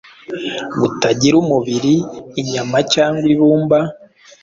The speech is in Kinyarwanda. butagira umubiri, inyama cyangwa ibumba,